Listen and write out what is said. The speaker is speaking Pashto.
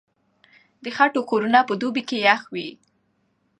د خټو کورونه په دوبي کې يخ وي.